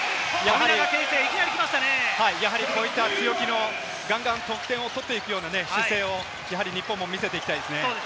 こういった強気の、ガンガン得点を取っていくような姿勢を日本も見せていきたいですね。